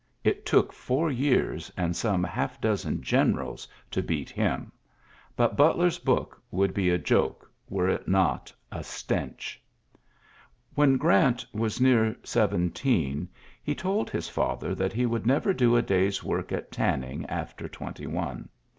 It took four years and some half dozen generals to beat him. But Butler's book would be a joke, were it not a stench. When Grant was near seventeen he told his father that he would never do a day's work at tanning after twenty one.